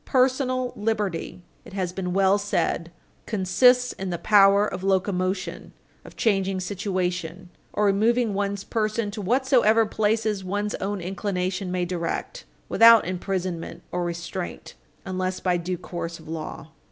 "Personal liberty," it has been well said, "consists in the power of locomotion, of changing situation, or removing one's person to whatsoever places one's own inclination may direct, without imprisonment or restraint unless by due course of law."